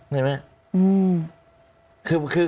เห็นมั้ย